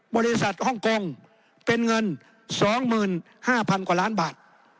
บริษัทฮ่องกงเป็นเงินสองหมื่นห้าพันกว่าล้านบาท